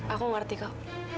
aku ngerti kak